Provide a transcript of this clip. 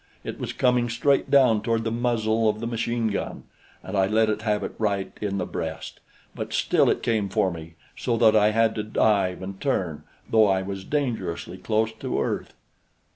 It was coming straight down toward the muzzle of the machine gun and I let it have it right in the breast; but still it came for me, so that I had to dive and turn, though I was dangerously close to earth.